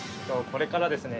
これからですね